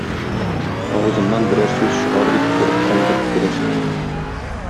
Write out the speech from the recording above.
Авызымнан берәр сүз чыгар дип курыккандыр, күрәсең.